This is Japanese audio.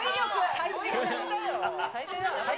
最低だ。